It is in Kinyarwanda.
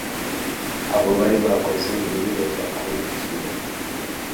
abo bari bakoze yubile bakurikiwe